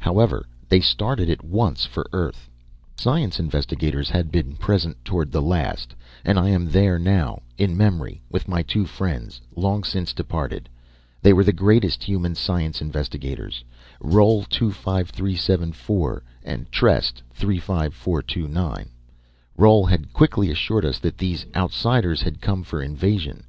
However, they started at once for Earth. The science investigators had been present toward the last, and I am there now, in memory with my two friends, long since departed. They were the greatest human science investigators Roal, 25374 and Trest, 35429. Roal had quickly assured us that these Outsiders had come for invasion.